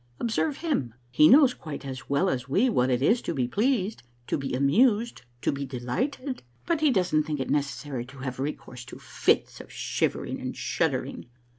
Observe him. He knows quite as well as we what it is to be pleased, to be amused, to be delighted, but he doesn't think it necessary to have recourse to fits of shivering and shud dering.